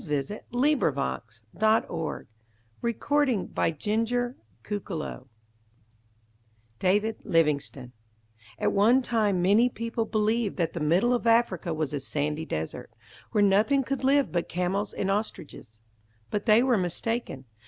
[Illustration: GRACE DARLING ROWS OUT TO THE WRECK] =David Livingstone= At one time many people believed that the middle of Africa was a sandy desert, where nothing could live but camels and ostriches. But they were mistaken.